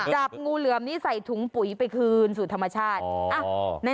จับงูเหลือมนี้ใส่ถุงปุ๋ยไปคืนสู่ธรรมชาติ